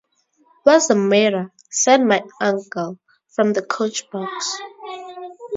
“What’s the matter?” said my uncle, from the coach-box.